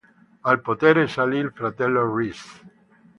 Al potere salì il fratello Rhys.